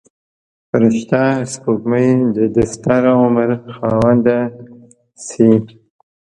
فرشته سپوږمۍ د دستر عمر خاونده شي.